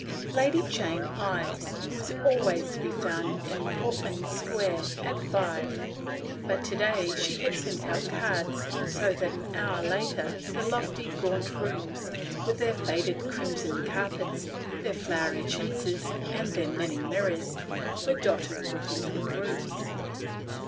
Lady Jake Ives was always to be found in Portman Square at five, but to day she had sent out cards, so that an hour later the lofty, gaunt rooms, with their faded crimson carpets, their flowery chintzes, and their many mirrors, were dotted with little groups.